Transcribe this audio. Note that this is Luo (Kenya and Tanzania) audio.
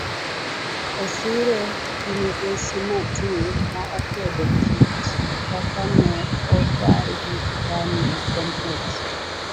Osire gi migosi Matuu ma okwedo kit kaka ne odargi kanu complex.